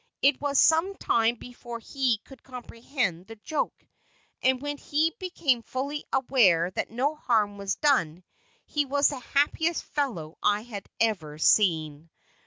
It was some time before he could comprehend the joke, and when he became fully aware that no harm was done, he was the happiest fellow I have ever seen.